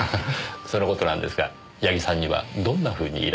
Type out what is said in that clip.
その事なんですが矢木さんにはどんなふうに依頼されたのでしょう？